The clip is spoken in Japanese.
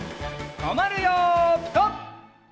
とまるよピタ！